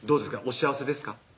お幸せですか？